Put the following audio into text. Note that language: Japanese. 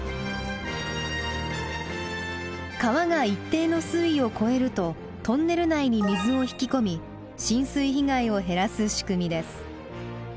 川が一定の水位を超えるとトンネル内に水を引き込み浸水被害を減らす仕組みです。